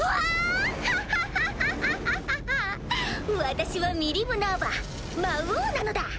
私はミリム・ナーヴァ魔王なのだ！